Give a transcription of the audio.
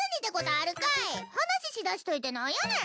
話しだしといて何やねん！